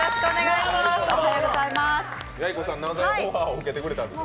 ヤイコさん、なぜオファーを受けてくれたんですか。